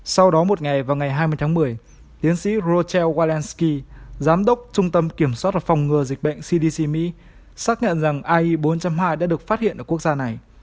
sau đó một ngày vào ngày hai mươi tháng một mươi tiến sĩ rotel wallansky giám đốc trung tâm kiểm soát và phòng ngừa dịch bệnh cdc mỹ xác nhận rằng ai bốn hai đã được phát hiện ở quốc gia này